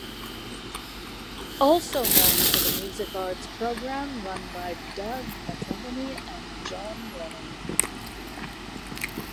Also known for the music arts program run by Doug McElhaney and John Wenning.